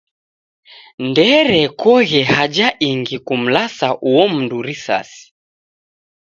Ndeerekoghe haja ingi kumlasa uo mndu risasi.